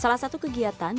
salah satu kegiatan yang asyik